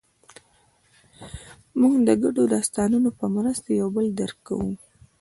موږ د ګډو داستانونو په مرسته یو بل درک کوو.